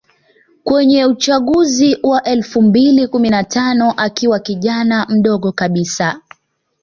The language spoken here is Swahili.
kwenye uchaguzi wa elfu mbili kumi na tano akiwa kijana mdogo kabisa